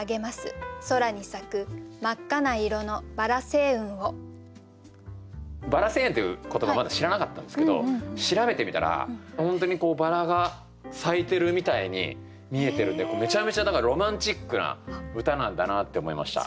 薔薇星雲っていう言葉まだ知らなかったんですけど調べてみたら本当に薔薇が咲いてるみたいに見えてるんでめちゃめちゃロマンチックな歌なんだなって思いました。